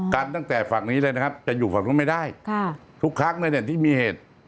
กันตั้งแต่ฝั่งนี้เลยนะครับจะอยู่ฝั่งนู้นไม่ได้ค่ะทุกครั้งเลยเนี่ยที่มีเหตุ